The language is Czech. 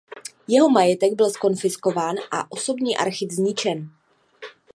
Jeho majetek byl zkonfiskován a osobní archiv zničen.